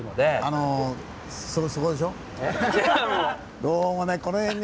あのそこでしょ？